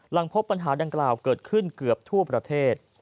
หลังพบปัญหาดังกล่าวเกิดขึ้นเกือบทั่วประเทศ